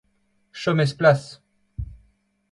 Chom e'z plas !